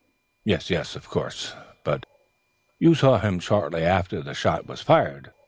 "Yes, yes, of course. But you saw him shortly after the shot was fired.